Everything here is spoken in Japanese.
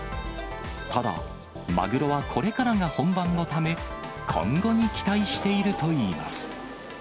ただ、マグロはこれからが本番のため、今後に期待しているといいます。